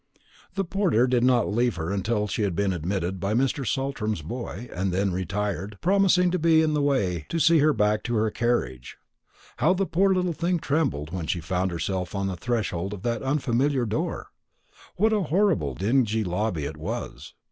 The porter did not leave her until she had been admitted by Mr. Saltram's boy, and then retired, promising to be in the way to see her back to her carriage. How the poor little thing trembled when she found herself on the threshold of that unfamiliar door! What a horrible dingy lobby it was!